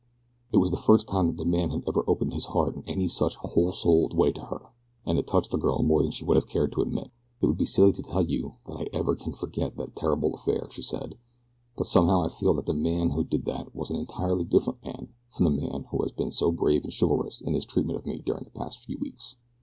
It was the first time that the man ever had opened his heart in any such whole souled way to her, and it touched the girl more than she would have cared to admit. "It would be silly to tell you that I ever can forget that terrible affair," she said; "but somehow I feel that the man who did that was an entirely different man from the man who has been so brave and chivalrous in his treatment of me during the past few weeks."